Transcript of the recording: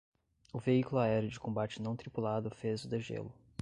O veículo aéreo de combate não tripulado fez o degelo